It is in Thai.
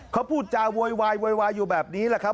เขาพูดจาววายอยู่แบบนี้แหละครับ